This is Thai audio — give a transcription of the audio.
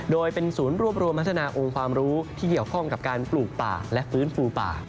โดยเป็นศูนย์รวบรวมพัฒนาองค์ความรู้ที่เกี่ยวข้องกับการปลูกป่าและฟื้นฟูป่า